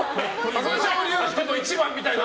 朝青龍との一番みたいな？